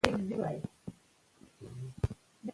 ماشوم یې په کور کې له سختو دردونو سره وزېږېد.